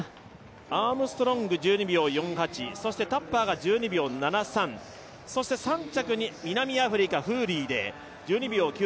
アームストロング、１２秒４８、そしてタッパーが１２秒７３、３着に南アフリカ、フーリーで１２秒